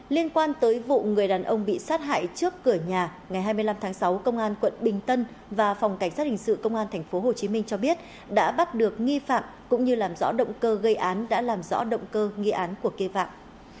liên quan tới vụ người đàn ông bị sát hại trước cửa nhà ngày hai mươi năm tháng sáu công an quận bình tân và phòng cảnh sát hình sự công an tp hcm cho biết đã bắt được nghi phạm cũng như làm rõ động cơ gây án đã làm rõ động cơ nghi án của kê vạm